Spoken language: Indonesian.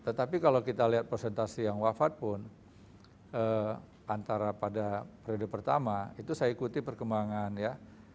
tetapi kalau kita lihat presentasi yang wafat pun antara pada periode pertama itu saya ikuti perkembangan ya